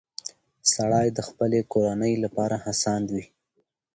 سړی د خپلې کورنۍ لپاره هڅاند وي